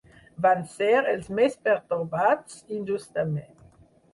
Van ser els més pertorbats, i injustament.